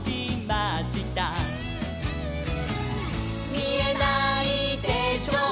「みえないでしょう